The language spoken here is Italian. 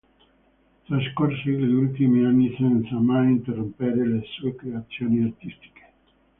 Trascorse gli ultimi anni senza mai interrompere le sue creazioni artistiche.